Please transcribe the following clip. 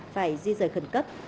phải di rời khẩn cấp